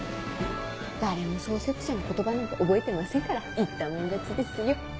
誰も創設者の言葉なんて覚えてませんから言ったもん勝ちですよ！